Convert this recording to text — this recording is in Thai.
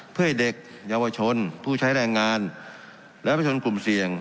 เพื่อให้เด็กเยาวชนผู้ใช้แรงงานและประชนกลุ่มเสี่ยง